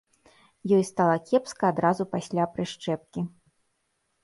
Ёй стала кепска адразу пасля прышчэпкі.